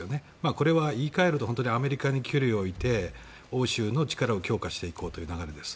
これは言い換えるとアメリカに距離を置いて欧州の力を強化していこうという流れです。